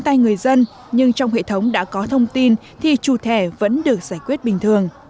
tay người dân nhưng trong hệ thống đã có thông tin thì chủ thẻ vẫn được giải quyết bình thường